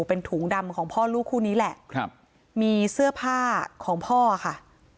เป็นถุงดำของพ่อลูกคู่นี้แหละครับมีเสื้อผ้าของพ่อค่ะ